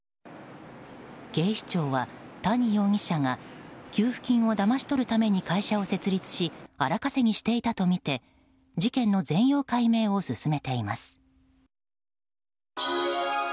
警視庁は、谷容疑者が給付金をだまし取るために会社を設立し荒稼ぎしていたとみて事件の全容解明を進めています。